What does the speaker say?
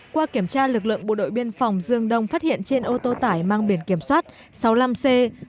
qua kiểm tra lực lượng bộ đội biên phòng dương đông phát hiện trên ô tô tải mang biển kiểm soát sáu mươi năm c một mươi ba nghìn bảy trăm bốn mươi năm